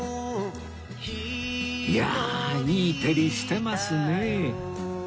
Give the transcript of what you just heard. いやあいい照りしてますね